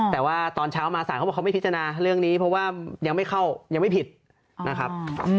แต่ว่าตอนเช้ามาสารเขาบอกเขาไม่พิจารณาเรื่องนี้เพราะว่ายังไม่เข้ายังไม่ผิดนะครับ